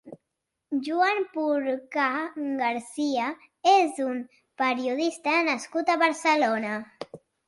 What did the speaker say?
Joan Porcar Garcia és un periodista nascut a Barcelona.